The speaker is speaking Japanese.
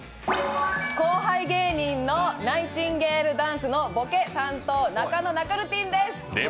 後輩芸人のナイチンゲールダンスのボケ担当中野なかるてぃんです。